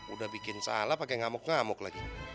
udah bikin salah pakai ngamuk ngamuk lagi